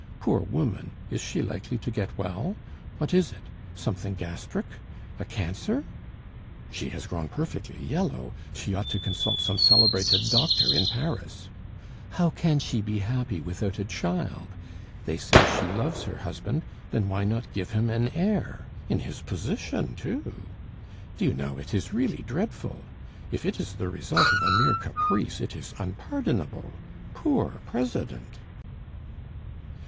Poor woman! Is she likely to get well? What is it? Something gastric? A cancer?" "She has grown perfectly yellow. She ought to consult some celebrated doctor in Paris." "How can she be happy without a child? They say she loves her husband; then why not give him an heir? in his position, too!" "Do you know, it is really dreadful! If it is the result of mere caprice, it is unpardonable. Poor president!"